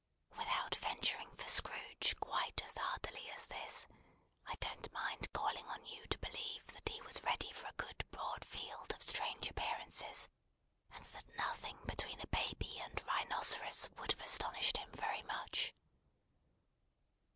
Without venturing for Scrooge quite as hardily as this, I don't mind calling on you to believe that he was ready for a good broad field of strange appearances, and that nothing between a baby and rhinoceros would have astonished him very much.